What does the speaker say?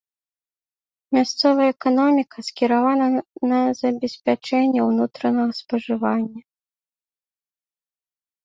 Мясцовая эканоміка скіравана на забеспячэнне ўнутранага спажывання.